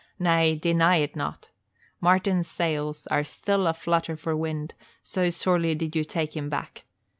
Nay, deny it not. Martin's sails are still a flutter for wind, so sorely did you take him aback.